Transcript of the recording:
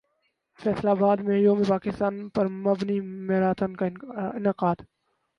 فیصل ابادمیںیوم پاکستان پر mini marathon کا انعقاد